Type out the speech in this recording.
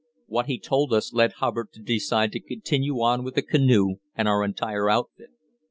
What he told us led Hubbard to decide to continue on with the canoe and our entire outfit.